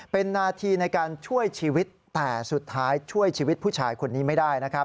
เป็นนาทีในการช่วยชีวิตแต่สุดท้ายช่วยชีวิตผู้ชายคนนี้ไม่ได้นะครับ